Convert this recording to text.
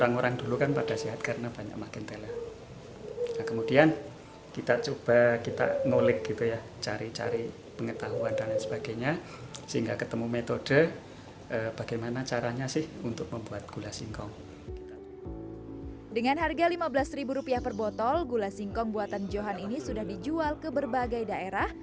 gula singkong buatan johan ini sudah dijual ke berbagai daerah